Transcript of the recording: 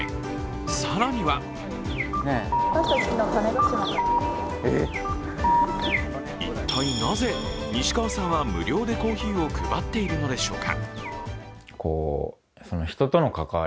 更には一体なぜ西川さんは無料でコーヒーを配っているのでしょうか。